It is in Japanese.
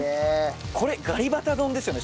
これガリバタ丼ですよね